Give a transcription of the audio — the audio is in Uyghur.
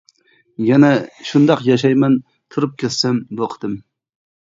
يەنە شۇنداق ياشايمەن تۇرۇپ كەتسەم بۇ قېتىم.